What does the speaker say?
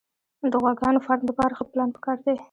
د غواګانو فارم دپاره ښه پلان پکار دی